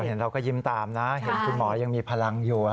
เห็นเราก็ยิ้มตามนะเห็นคุณหมอยังมีพลังอยู่